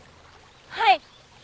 はい。